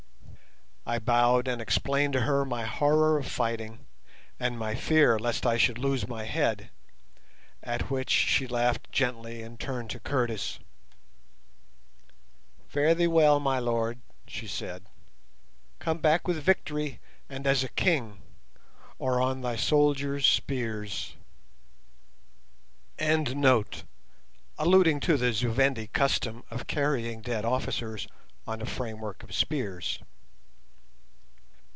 I bowed and explained to her my horror of fighting, and my fear lest I should lose my head, at which she laughed gently and turned to Curtis. "Fare thee well, my lord!" she said. "Come back with victory, and as a king, or on thy soldiers' spears." Alluding to the Zu Vendi custom of carrying dead officers on a framework of spears.